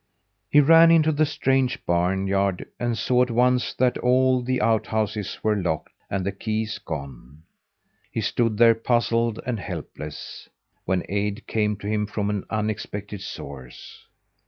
He ran into the strange barn yard and saw at once that all the outhouses were locked and the keys gone. He stood there, puzzled and helpless, when aid came to him from an unexpected source.